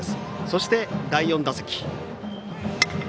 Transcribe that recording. そして第４打席。